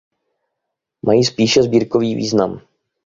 Mají spíše sbírkový význam.